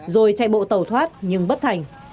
rồi chạy bộ tàu thoát nhưng bất thành